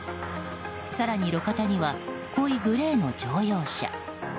更に、路肩には濃いグレーの乗用車。